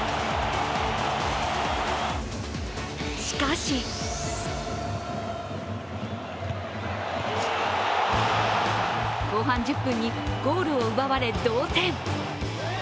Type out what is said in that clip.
しかし後半１０分にゴールを奪われ同点。